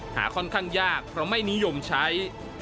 ค่อนข้างยากเพราะไม่นิยมใช้